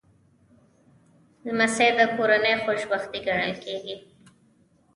لمسی د کورنۍ خوشبختي ګڼل کېږي.